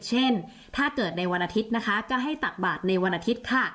เช่นถ้าเกิดในวันอาทิตย์นะคะก็ให้ตักบาทในวันอาทิตย์ค่ะ